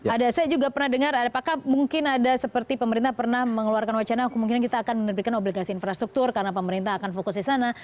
ada saya juga pernah dengar apakah mungkin ada seperti pemerintah pernah mengeluarkan wacana kemungkinan kita akan menerbitkan obligasi infrastruktur karena pemerintah akan fokus di sana